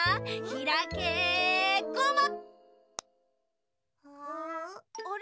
ひらけごま！